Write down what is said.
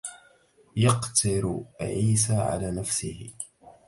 يقتر عيسى على نفسه